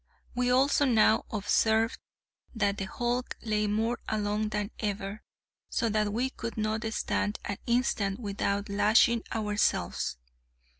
We also now observed that the hulk lay more along than ever, so that we could not stand an instant without lashing ourselves.